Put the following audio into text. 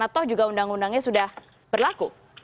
atau juga undang undangnya sudah berlaku